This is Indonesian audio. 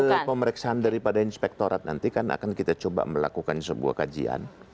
kalau mereka meriksa daripada inspektorat nanti kan akan kita coba melakukan sebuah kajian